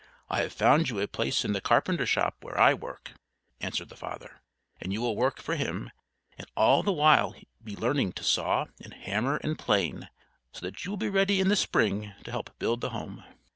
"I have found you a place in the carpenter's shop where I work," answered the father. "And you will work for him, and all the while be learning to saw and hammer and plane, so that you will be ready in the Spring to help build the home."